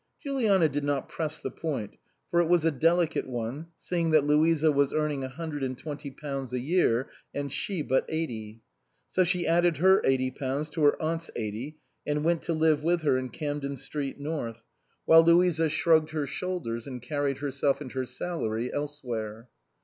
Juliana did not press the point, for it was a delicate one, seeing that Louisa was earning a hundred and twenty pounds a year and she but eighty. So she added her eighty pounds to her aunt's eighty and went to live with her in Camden Street North, while Louisa shrugged 213 SUPERSEDED her shoulders and carried herself and her salary elsewhere.